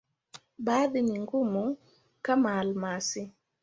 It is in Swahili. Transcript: Baadhi ni ngumu, kama almasi.